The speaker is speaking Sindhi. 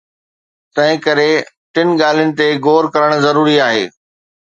تنهنڪري ٽن ڳالهين تي غور ڪرڻ ضروري آهي.